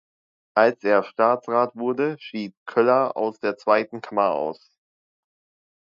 Als er Staatsrat wurde, schied Köller aus der Zweiten Kammer aus.